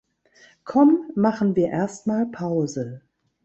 Komm, machen wir erst mal Pause.